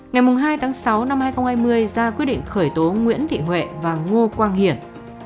ngày hai tháng sáu năm hai nghìn hai mươi quyết định khởi tố bị can và bắt tạm giam đối với nguyễn thị huệ và ngo quang hiển